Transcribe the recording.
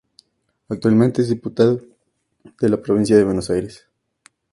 Actualmente, es diputado de la Provincia de Buenos Aires.